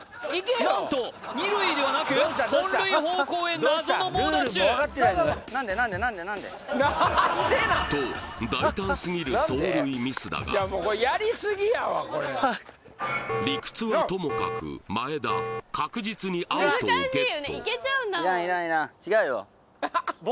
何と二塁ではなく本塁方向へ謎の猛ダッシュと大胆すぎる走塁ミスだがあっ理屈はともかく前田確実にアウトをゲット